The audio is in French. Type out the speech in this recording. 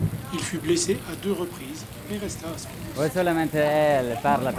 Il fut blessé à deux reprises mais resta à son poste.